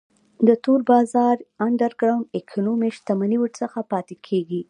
د تور بازار Underground Economy شتمنۍ ورڅخه پاتې کیږي.